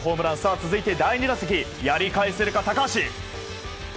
続いて第２打席やり返せるか、高橋。